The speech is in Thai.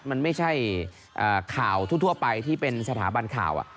มันไม่ใช่ข่าวทั่วไปที่เป็นสถาบันข่าว